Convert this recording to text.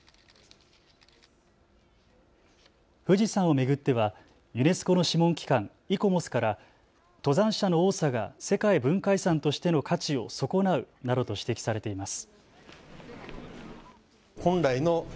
富士山を巡ってはユネスコの諮問機関、イコモスから登山者の多さが世界文化遺産としての価値を損なうなどと指摘されています。